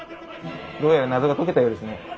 どうやら謎が解けたようですね。